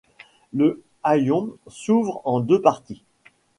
Le hayon s'ouvre en deux parties.